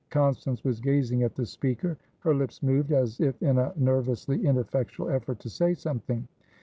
Constance was gazing at the speaker. Her lips moved, as if in a nervously ineffectual effort to say something.